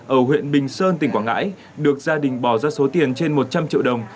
ở huyện bình sơn tỉnh quảng ngãi được gia đình bỏ ra số tiền trên một trăm linh triệu đồng